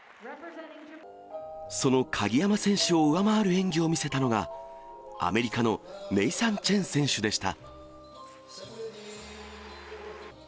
その鍵山選手を上回る演技を見せたのが、アメリカのネイサン・チェン選手でした。